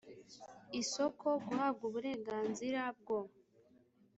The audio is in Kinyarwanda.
isoko guhabwa uburenganzira bwo